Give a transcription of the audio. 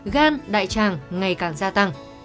gan đại tràng ngày càng gia tăng